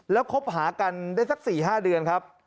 แล้วคบหากันได้สัก๔๕เดือนครับ